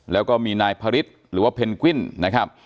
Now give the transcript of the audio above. แล้วก็มีนายพระฤทธิ์หรือว่าเพนกวิ้นนะครับ